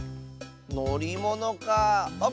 「のりもの」かあ。